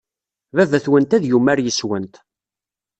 Baba-twent ad yumar yes-went.